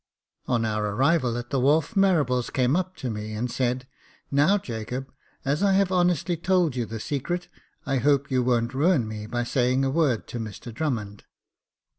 On our arrival at the wharf, Marables came up to me, and said, Now, Jacob, as I have honestly told you the secret, I hope you won't ruin me by saying a word to Mr Drummond."